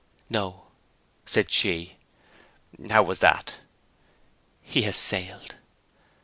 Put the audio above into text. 'No,' said she. 'How was that?' 'He has sailed.'